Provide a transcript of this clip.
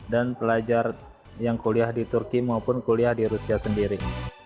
dan pelajar yang kuliah di turki maupun kuliah di rusia sendiri